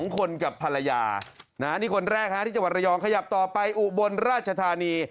๒คนกับภรรยานี่คนแรกที่จังหวัดระยองขยับต่อไปอุบลราชธานี